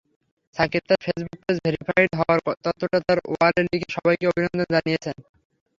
সাকিব তাঁর Facebook page verified হওয়ার তথ্যটা তাঁর ওয়ালে লিখে সবাইকে অভিনন্দন জানিয়েছেন।